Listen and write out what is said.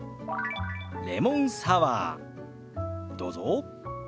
「レモンサワー」どうぞ。